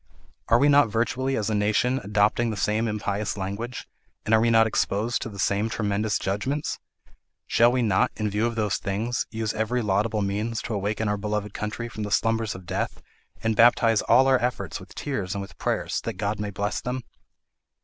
Are we not virtually as a nation adopting the same impious language, and are we not exposed to the same tremendous judgments? Shall we not, in view of those things, use every laudable means to awaken our beloved country from the slumbers of death, and baptize all our efforts with tears and with prayers, that God may bless them?